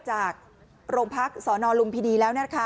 จากโรงพักษณ์สอนอลุงพิธีแล้ว